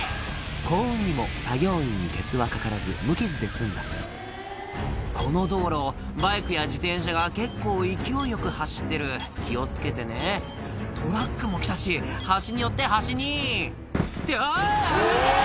幸運にも作業員に鉄はかからず無傷で済んだこの道路バイクや自転車が結構勢いよく走ってる気を付けてねトラックも来たし端によって端にってあぁぶつかる！